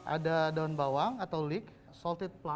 ada daun bawang atau leek salted plum